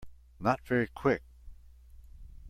Not very Quick.